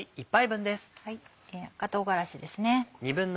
赤唐辛子です。